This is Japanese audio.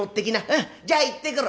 「うんじゃあ行ってくる」。